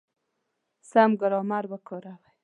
سم ګرامر وکاروئ!